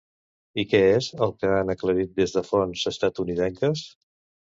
I què és el que han aclarit des de fonts estatunidenques?